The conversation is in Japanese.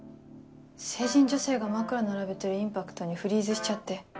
成人女性が枕並べてるインパクトにフリーズしちゃって。